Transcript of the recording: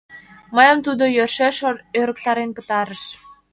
Мыйым тудо йӧршеш ӧрыктарен пытарыш.